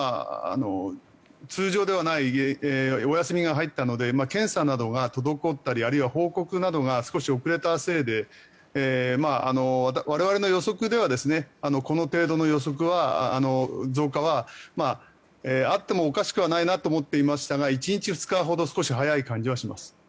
通常ではないお休みが入ったので検査などが滞ったりあるいは報告などが少し遅れたせいで我々の予測ではこの程度の増加はあってもおかしくないなと思っていましたが１日、２日ほど少し早い感じはします。